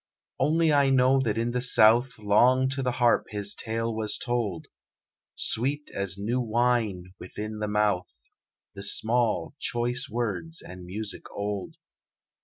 Only I know that in the South Long to the harp his tale was told; Sweet as new wine within the mouth The small, choice words and music old.